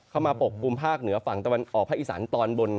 เข้ามาปกปรุงภาคเหนือฝั่งตะวันออกภาคอีสานตอนบน